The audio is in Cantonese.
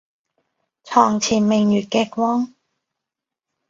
床前明月嘅光